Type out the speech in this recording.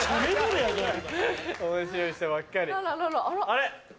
あれ？